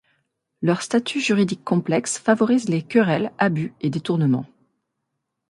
Leur statut juridique complexe favorise les querelles, abus et détournements.